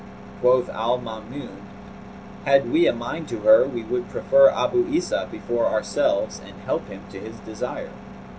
Quoth Al Maamun, "Had we a mind to her, we would prefer Abu Isa before ourselves and help him to his desire."